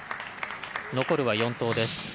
残るは４投です。